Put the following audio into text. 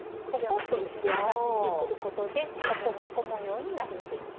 ポコッと浮き上がってくることでポコポコ模様になるんです。